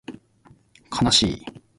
かなしい